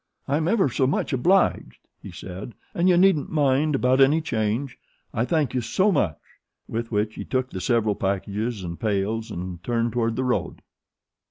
"I'm ever so much obliged," he said, "and you needn't mind about any change. I thank you so much." With which he took the several packages and pails and turned toward the road.